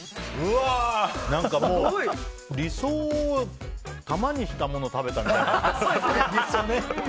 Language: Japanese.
もう、理想を玉にしたものを食べたみたいな。